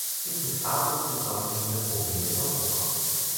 Es gibt mit Armut zusammenhängende Probleme in Europa.